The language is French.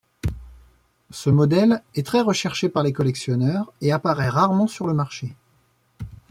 Ce modèle est très recherché par les collectionneurs et apparait rarement sur le marché.